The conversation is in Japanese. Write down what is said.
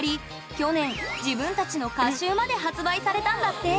去年自分たちの歌集まで発売されたんだって！